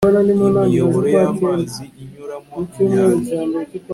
imiyoboro y amazi inyuramo imyanda